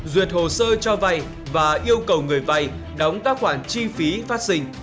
duyệt hồ sơ cho vay và yêu cầu người vay đóng các khoản chi phí phát sinh